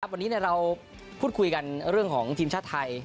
วันนี้เราพูดคุยกันเรื่องของทีมชาติไทย